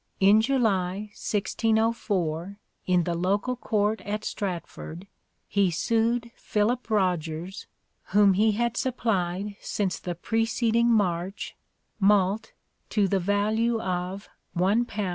" In July 1604 in the local court at Stratford he sued Philip Rogers whom he had supplied since the preceding March malt to the value of £i 193.